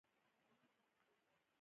هغه تر جروبي پوري تعقیب کړ.